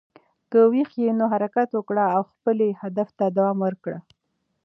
که ویښ یې، نو حرکت وکړه او خپلې هدف ته دوام ورکړه.